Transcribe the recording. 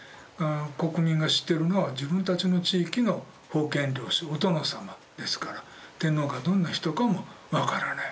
国民が知ってるのは自分たちの地域の封建領主お殿様ですから天皇がどんな人かも分からない。